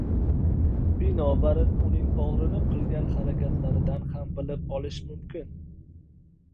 binobarin, uning og‘rinib qilgan harakatlaridan ham bilib olish mumkin.